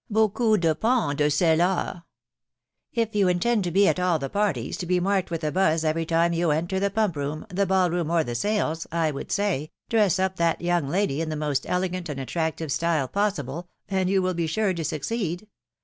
... Bo coo depong de sett aw* ... If you intend to be at all the parties, to be marked with a buzz every time you enter the pump room, the ball room, or the sales, I would say, dress up that young lady in the most elegant and attractive style possible, and you will be sure to succeed